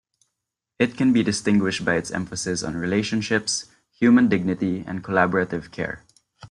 It can be distinguished by its emphasis on relationships, human dignity and collaborative care.